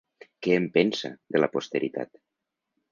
Què en pensa, de la posteritat?